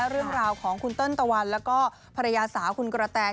เรื่องราวของคุณเติ้ลตะวันแล้วก็ภรรยาสาวคุณกระแตน